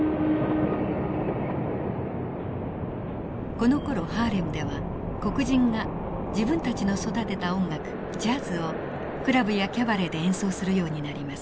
このころハーレムでは黒人が自分たちの育てた音楽ジャズをクラブやキャバレーで演奏するようになります。